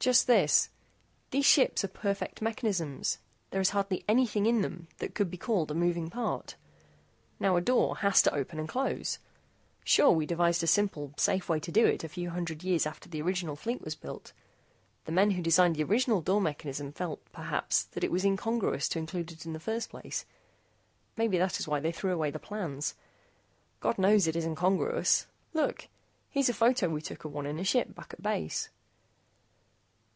"Just this. These ships are perfect mechanisms. There is hardly anything in them that could be called a moving part. Now a door has to open and close. Sure, we devised a simple, safe way to do it a few hundred years after the original fleet was built. The men who designed the original door mechanism felt, perhaps, that it was incongruous to include it in the first place. Maybe that is why they threw away the plans. God knows, it is incongruous. Look! Here's a photo we took of one in a ship back at base."